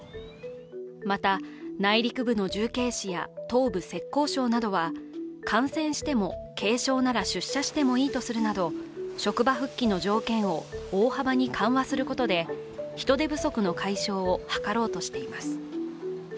また、内陸部の重慶市や東部浙江省などは感染しても軽症なら出社してもいいとするなど職場復帰の条件を大幅に緩和することで、人手不足の解消を図ろうとしています。